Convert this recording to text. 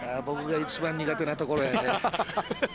僕が一番苦手なところやね。